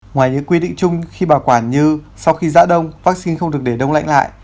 ngoài những quy định chung khi bảo quản như sau khi giã đông vaccine không được để đông lạnh lại